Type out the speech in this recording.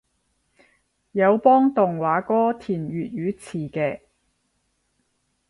有幫動畫歌填粵語詞嘅